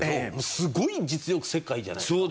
すごい実力世界じゃないですか。